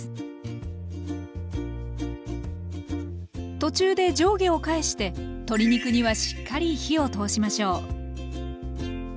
途中で上下を返して鶏肉にはしっかり火を通しましょう。